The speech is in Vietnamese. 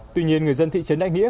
tuy nhiên người dân thị trấn đại nghĩa